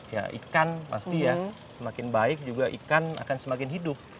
ya ikan pasti ya semakin baik juga ikan akan semakin hidup